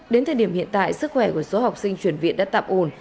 đến thời điểm hiện tại sức khỏe của số học sinh chuyển viện đã tạm ổn